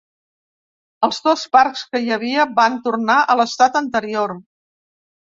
Els dos parcs que hi havia van tornar a l'estat anterior.